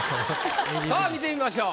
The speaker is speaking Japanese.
さぁ見てみましょう。